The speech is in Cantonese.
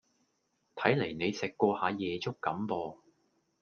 睇黎你食過下夜粥咁噃